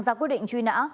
ra quyết định truy nã